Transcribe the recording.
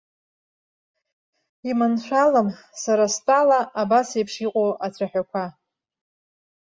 Иманшәалам, сара стәала, абас еиԥш иҟоу ацәаҳәақәа.